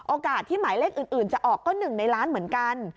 โอกาสที่หมายเลขอื่นจะออกก็๑ในล้านเหมือนกัน